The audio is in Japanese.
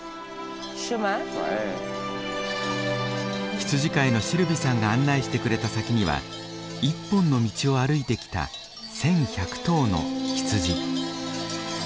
羊飼いのシルヴィさんが案内してくれた先には一本の道を歩いてきた１，１００頭の羊。